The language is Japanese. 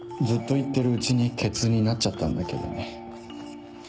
ずっと言ってるうちにケツになっちゃったんだけどね。